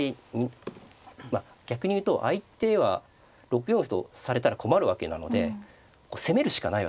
まあ逆に言うと相手は６四歩とされたら困るわけなので攻めるしかないわけですね。